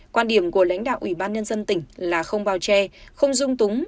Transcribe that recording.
quan điểm của lãnh đạo ủy ban nhân dân tỉnh là không bào tre không dung túng